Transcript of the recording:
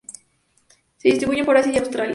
Se distribuyen por Asia y Australia.